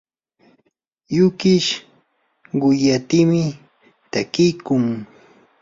yukish quyatimi takiykun.